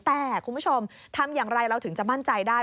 แต่คุณผู้ชมทำอย่างไรเราถึงจะมั่นใจได้